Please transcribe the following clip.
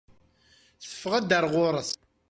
Teffeɣ-d ɣer ɣur-s.